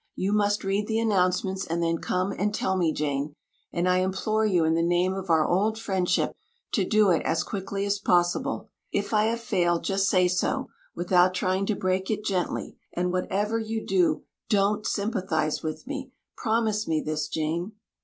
You must read the announcements and then come and tell me, Jane. And I implore you in the name of our old friendship to do it as quickly as possible. If I have failed just say so, without trying to break it gently; and whatever you do don't sympathize with me. Promise me this, Jane."